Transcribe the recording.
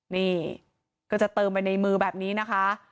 นี่ก็จะเติมไปในมือแบบนี้นะคะ